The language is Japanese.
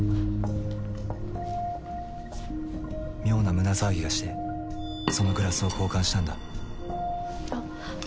妙な胸騒ぎがしてそのグラスを交換したんだ。